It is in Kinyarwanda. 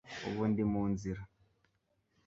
Ubu ndi mu nzira